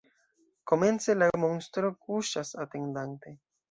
Komence, la monstro kuŝas atendante.